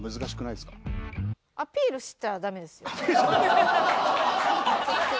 アピールしたらダメですか？